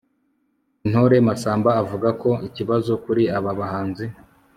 intore masamba avuga ko ikibazo kuri aba bahanzi